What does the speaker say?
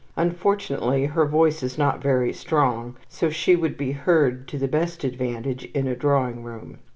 Unfortunately her voice is not very strong, so she would be heard to the best advantage in a drawing room.